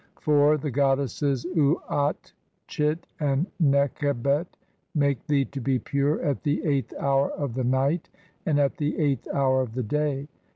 (4) The goddesses Uatchit and Nekhe "bet make thee to be pure at the eighth hour of the "night and at the [eighth] hour of the day.